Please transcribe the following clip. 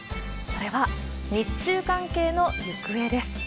それは、日中関係の行方です。